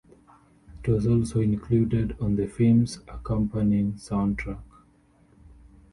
It was also included on the film's accompanying soundtrack.